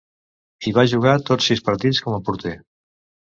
Hi va jugar tots sis partits com a porter.